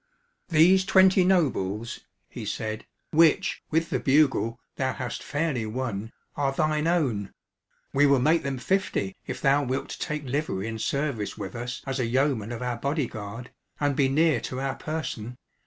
"These twenty nobles," he said, "which, with the bugle, thou hast fairly won, are thine own; we will make them fifty, if thou wilt take livery and service with us as a yeoman of our body guard, and be near to our person.